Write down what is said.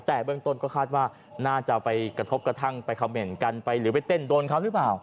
แต่เบื้องต้นก็คาดว่าน่าจะไปกระทบกระทั่งไปคำเมนต์กันไปหรือไปเต้นโดนเขาหรือเปล่า